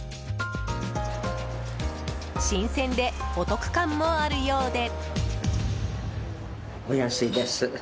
新鮮でお得感もあるようで。